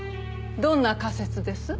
どんな仮説です？